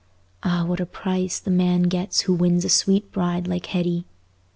Ah, what a prize the man gets who wins a sweet bride like Hetty!